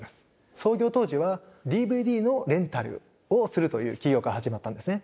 創業当時はＤＶＤのレンタルをするという企業から始まったんですね。